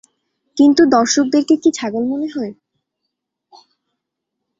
কিন্তু দর্শকদেরকে কি ছাগল মনে হয়?